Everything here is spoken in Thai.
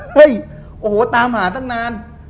เฮ้ยโอ้โหตามหาตั้งนาน